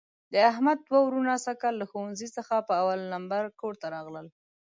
د احمد دوه وروڼه سږ کال له ښوونځي څخه په اول لمبر کورته راغلل.